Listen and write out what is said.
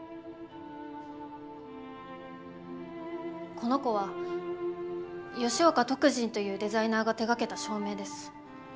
この子は吉岡徳仁というデザイナーが手がけた照明です。